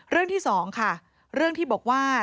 เรื่องที่สองค่ะเรื่องที่บอกว่า